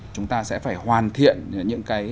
chúng ta sẽ phải hoàn thiện những cái